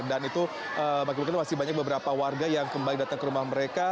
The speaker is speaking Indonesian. itu makin masih banyak beberapa warga yang kembali datang ke rumah mereka